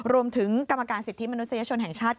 และกรมการสิทธิสิทธิมสิทธิ์มนุษยชนแห่งชาติ